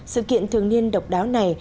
sự kiện thường niên độc đáo này